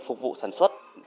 phục vụ sản xuất